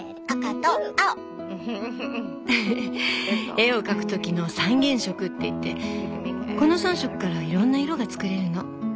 絵を描くときの「３原色」っていってこの３色からいろんな色が作れるの。